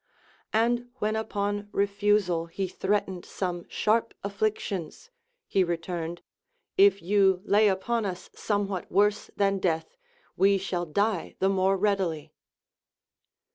And when upon refusal he threatened some sharp afflic tions, he returned : If you lay upon us somewhat worse than death, we shall die the more readily.